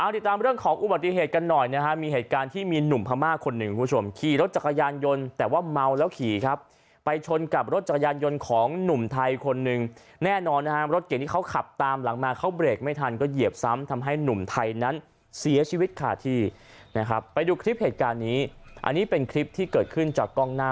ติดตามเรื่องของอุบัติเหตุกันหน่อยนะฮะมีเหตุการณ์ที่มีหนุ่มพม่าคนหนึ่งคุณผู้ชมขี่รถจักรยานยนต์แต่ว่าเมาแล้วขี่ครับไปชนกับรถจักรยานยนต์ของหนุ่มไทยคนหนึ่งแน่นอนนะฮะรถเก่งที่เขาขับตามหลังมาเขาเบรกไม่ทันก็เหยียบซ้ำทำให้หนุ่มไทยนั้นเสียชีวิตขาดที่นะครับไปดูคลิปเหตุการณ์นี้อันนี้เป็นคลิปที่เกิดขึ้นจากกล้องหน้า